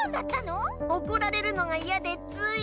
おこられるのがイヤでつい。